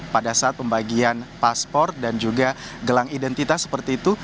pada saat pembagian paspor dan juga gelang identitas seperti itu